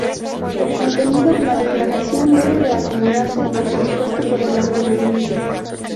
El contenido: La declaración debe de acomodarse a lo dispuesto por el ordenamiento.